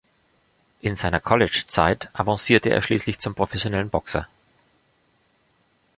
In seiner College-Zeit avancierte er schließlich zum professionellen Boxer.